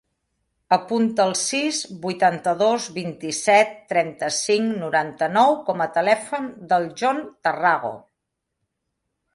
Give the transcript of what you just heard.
Apunta el sis, vuitanta-dos, vint-i-set, trenta-cinc, noranta-nou com a telèfon del John Tarrago.